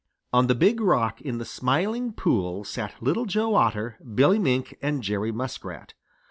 On the Big Rock in the Smiling Pool sat Little Joe Otter, Billy Mink, and Jerry Muskrat.